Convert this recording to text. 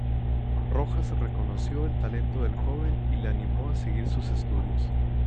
Rojas reconoció el talento del joven y le animó a seguir sus estudios.